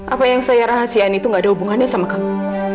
apa yang saya rahasiain itu gak ada hubungannya sama kamu